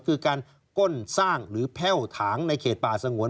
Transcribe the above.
คือการก้นสร้างหรือแพ่วถางในเขตป่าสงวน